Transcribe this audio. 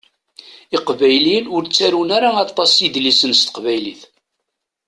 Iqbayliyen ur ttarun ara aṭas idlisen s teqbaylit.